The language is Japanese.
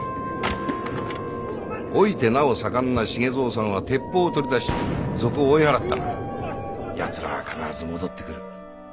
老いてなお盛んな繁蔵さんは鉄砲を取り出し賊を追い払ったが奴らは必ず戻ってくる。